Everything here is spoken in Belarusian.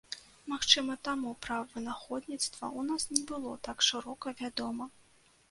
Магчыма, таму пра вынаходніцтва ў нас не было так шырока вядома.